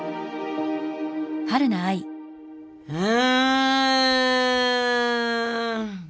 うん。